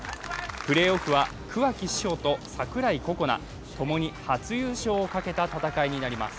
プレーオフは桑木志帆と櫻井心那、共に初優勝をかけた戦いになります。